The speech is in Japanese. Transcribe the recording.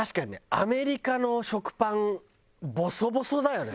アメリカの食パンボソボソだよね。